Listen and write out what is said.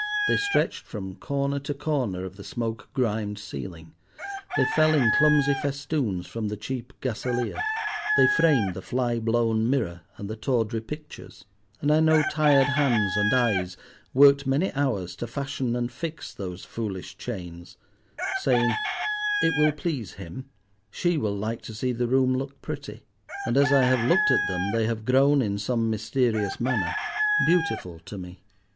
They stretched from corner to corner of the smoke grimed ceiling, they fell in clumsy festoons from the cheap gasalier, they framed the fly blown mirror and the tawdry pictures; and I know tired hands and eyes worked many hours to fashion and fix those foolish chains, saying, "It will please him—she will like to see the room look pretty;" and as I have looked at them they have grown, in some mysterious manner, beautiful to me.